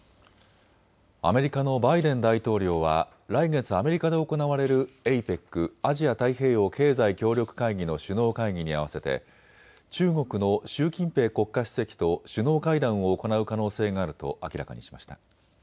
アメリカのバイデン大統領は来月アメリカで行われるＡＰＥＣ・アジア太平洋経済協力会議の首脳会議に合わせて中国の習近平国家主席と首脳会談を行う可能性があると明らかにしました。